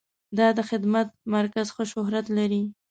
دا د خدمت مرکز ښه شهرت لري.